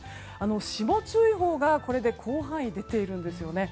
霜注意報が広範囲に出ているんですね。